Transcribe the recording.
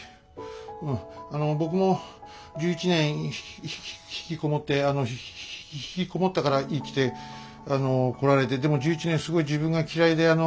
うんあの僕も１１年ひきひきひきこもってあのひきこもったから生きてあのこられてでも１１年すごい自分が嫌いであの